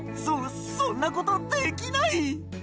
そそんなことできない！